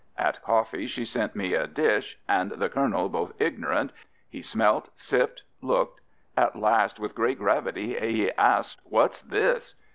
At Coffee, she sent me a dish & the Colonel both ignorant He smelt, sipt look'd At last with great gravity he asks what's this?